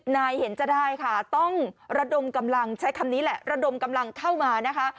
เห็นจะได้ค่ะต้องระดมกำลังใช้คำนี้แหละระดมกำลังเข้ามานะคะ